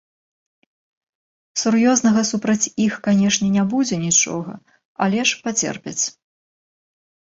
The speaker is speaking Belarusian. Сур'ёзнага супраць іх, канечне, не будзе нічога, але ж пацерпяць.